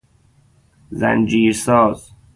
زنجیرساز